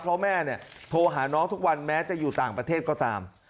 เพราะแม่เนี่ยโทรหาน้องทุกวันแม้จะอยู่ต่างประเทศก็ตาม